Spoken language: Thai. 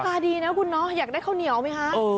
ตาดีนะคุณเนาะอยากได้ข้าวเหนียวไหมคะ